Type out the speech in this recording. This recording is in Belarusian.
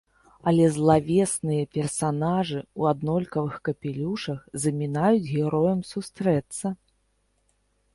Але злавесныя персанажы ў аднолькавых капелюшах замінаюць героям сустрэцца.